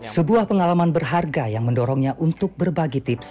sebuah pengalaman berharga yang mendorongnya untuk berbagi tips